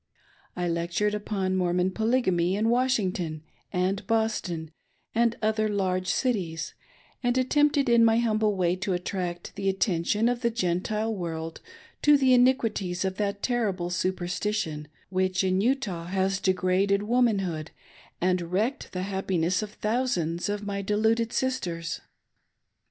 I lectured upon Mormon Polygamy, in Washington, and Boston, and other large cities, and attempted in my humble way to attract the attention of the Gentile world to the iniquities of that terrible superstition which, in Utah, has degraded womanhood and wrecked the happiness of thousands of my deluded sisters.